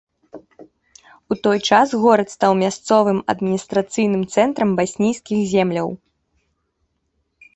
У той час горад стаў мясцовым адміністрацыйным цэнтрам баснійскіх земляў.